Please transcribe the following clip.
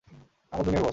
আমার জুনিয়র বস।